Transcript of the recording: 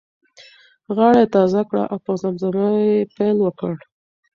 غاړه یې تازه کړه او په زمزمه یې پیل وکړ.